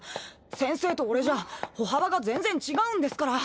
先生と俺じゃ歩幅が全然違うんですから。